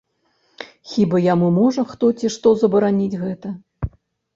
Хіба яму можа хто ці што забараніць гэта?